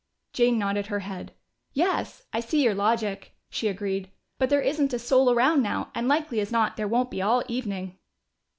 Jane nodded her head. "Yes, I see your logic," she agreed. "But there isn't a soul around now, and likely as not there won't be all evening."